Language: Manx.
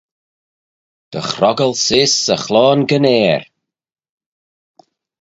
Dy hroggal seose yn chloan gyn ayr.